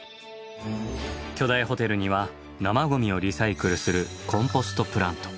巨大ホテルには生ゴミをリサイクルするコンポストプラント。